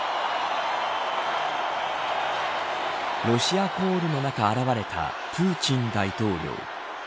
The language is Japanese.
ロシアコール中現れたプーチン大統領。